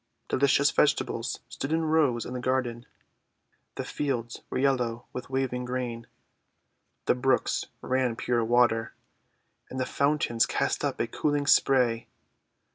Delicious vegetables stood in rows in the garden. The fields were yellow with waving grain. The brooks ran pure water, and the fountains cast up a cooling spray.